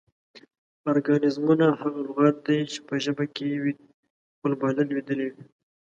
ارکانیزمونه: هغه لغات دي چې پۀ ژبه کې وي خو لۀ فعالیت لویدلي وي